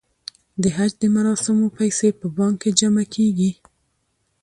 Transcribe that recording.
د حج د مراسمو پیسې په بانک کې جمع کیږي.